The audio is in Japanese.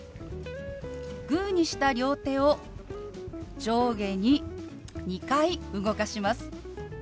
グーにした両手を上下に２回動かします。